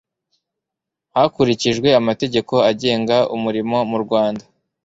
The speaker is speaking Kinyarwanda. hakurikijwe amategeko agenga umurimo mu rwanda